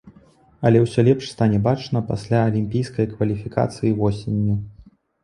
Але ўсё лепш стане бачна пасля алімпійскай кваліфікацыі восенню.